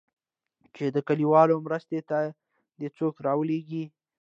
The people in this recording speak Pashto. چې د كليوالو مرستې ته دې څوك راولېږي.